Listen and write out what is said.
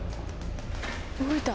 動いた。